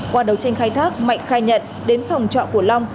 qua đấu tranh khai thác mạnh khai nhận đến phòng trọ của long